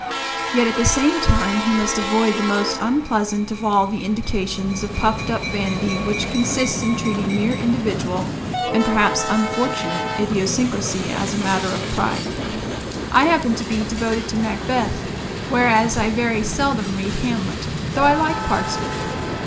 Yet at the same time he must avoid that most unpleasant of all the indications of puffed up vanity which consists in treating mere individual, and perhaps unfortunate, idiosyncrasy as a matter of pride. I happen to be devoted to Macbeth, whereas I very seldom read Hamlet (though I like parts of it).